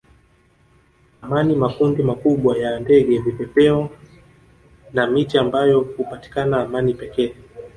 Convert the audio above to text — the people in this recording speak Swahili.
amani makundi makubwa ya ndege vipepeo na miti ambayo hupatikana amani pekee